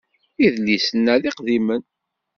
Idlisen-a d iqdimen.